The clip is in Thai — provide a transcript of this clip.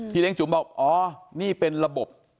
เลี้ยจุ๋มบอกอ๋อนี่เป็นระบบ